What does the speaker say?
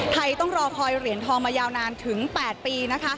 ต้องรอคอยเหรียญทองมายาวนานถึง๘ปี